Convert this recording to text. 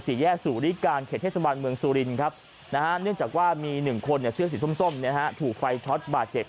เชื้อสีส้มถูกไฟช็อตบาดเจ็บ